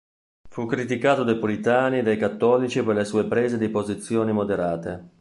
Fu criticato dai puritani e dai cattolici per le sue prese di posizioni moderate.